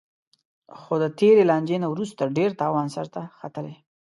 خو د تېرې لانجې نه وروسته ډېر تاو سرته ختلی